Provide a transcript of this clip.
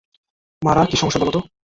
মারা, কী সমস্যা বল তো?